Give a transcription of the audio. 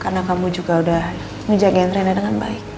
karena kamu juga udah ngejagain reina dengan baik